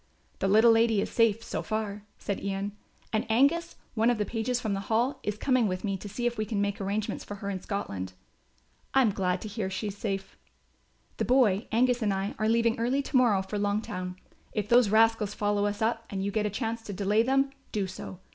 "The little lady is safe so far," said Ian, "and Angus, one of the pages from the Hall, is coming with me to see if we can make arrangements for her in Scotland." "I am glad to hear she is safe." "The boy, Angus, and I are leaving early to morrow for Longtown. If those rascals follow us up and you get a chance to delay them, do so.